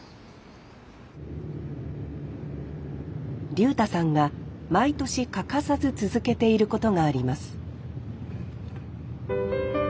竜太さんが毎年欠かさず続けていることがあります